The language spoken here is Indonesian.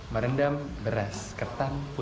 merendam beras ketan putih